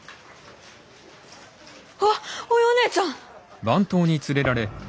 あっおようねえちゃん！